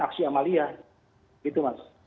aksi amalia gitu mas